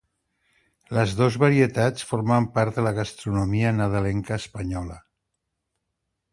Les dos varietats formen part de la gastronomia nadalenca espanyola.